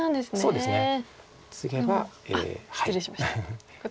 そうですね。